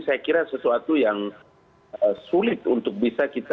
saya kira sesuatu yang sulit untuk bisa kita